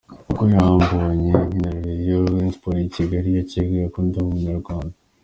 Ubwo yambonye nkinira Rayon sports y’i Kigali, yakekaga ko ndi Umunyarwanda.